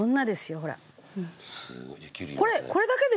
ほら。